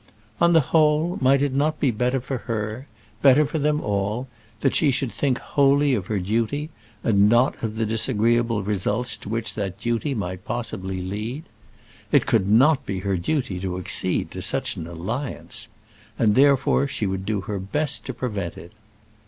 On the whole, might it not be better for her better for them all that she should think wholly of her duty, and not of the disagreeable results to which that duty might possibly lead? It could not be her duty to accede to such an alliance; and therefore she would do her best to prevent it.